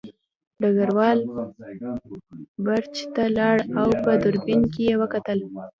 ډګروال برج ته لاړ او په دوربین کې یې وکتل